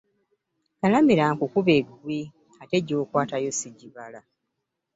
Galamira nkukube ggwe ate gy'okwatayo ssigibala.